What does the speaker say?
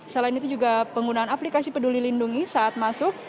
selain itu juga penggunaan aplikasi peduli lindungi saat masuk